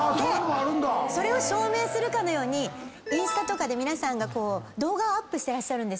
それを証明するかのようにインスタとかで皆さんが動画をアップしてらっしゃるんです。